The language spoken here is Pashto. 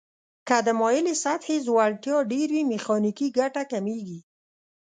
که د مایلې سطحې ځوړتیا ډیر وي میخانیکي ګټه کمیږي.